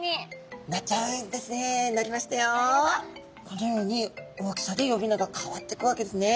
このように大きさで呼び名が変わっていくわけですね。